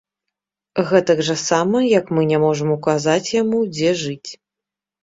Гэтак жа сама, як мы не можам указаць яму, дзе жыць.